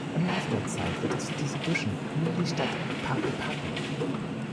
Im Laufe der Zeit wird aus diesen Büschen nun die Stadt Parepare.